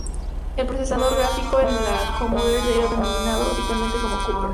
El procesador gráfico en los Commodore era denominado habitualmente como "Copper".